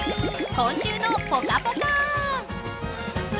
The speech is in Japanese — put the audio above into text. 「今週のぽかぽか」。